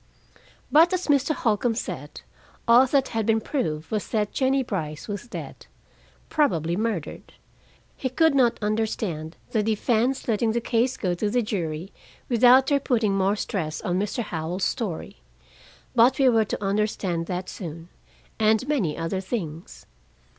But, as Mr. Holcombe said, all that had been proved was that Jennie Brice was dead, probably murdered. He could not understand the defense letting the case go to the jury without their putting more stress on Mr. Howell's story. But we were to understand that soon, and many other things.